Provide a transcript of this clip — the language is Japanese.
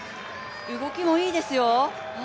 動きもいいですよ。